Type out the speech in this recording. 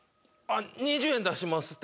２０円出しますって